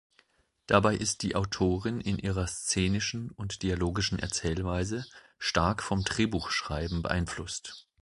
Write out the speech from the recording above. Dabei ist die Autorin in ihrer szenischen und dialogischen Erzählweise stark vom Drehbuchschreiben beeinflusst.